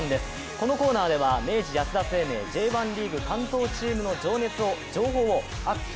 このコーナーでは明治安田生命Ｊ１リーグ関東チームの情報を熱く！